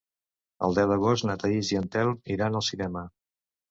El deu d'agost na Thaís i en Telm iran al cinema.